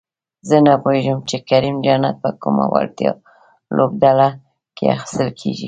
زه نپوهېږم چې کریم جنت په کومه وړتیا لوبډله کې اخیستل کیږي؟